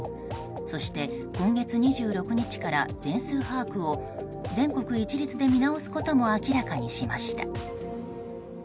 そして、今月２６日から全数把握を全国一律で見直すことも明らかにしました。